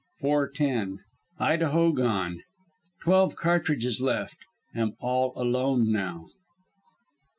"Four ten. Idaho gone. Twelve cartridges left. Am all alone now.